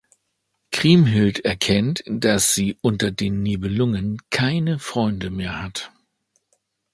Kriemhild erkennt, dass sie unter den Nibelungen keine Freunde mehr hat.